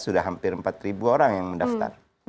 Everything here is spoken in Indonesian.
sudah hampir empat orang yang mendaftar